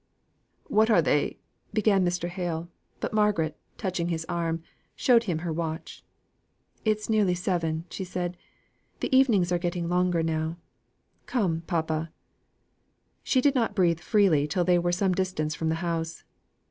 "What are they" began Mr. Hale; but Margaret, touching his arm, showed him her watch. "It is nearly seven," she said. "The evenings are getting longer now. Come, papa." She did not breathe freely till they were some distance from the house.